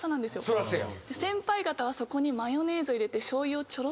そりゃそうや。